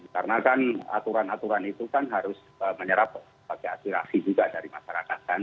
karena kan aturan aturan itu kan harus menyerap pakai akirasi juga dari masyarakat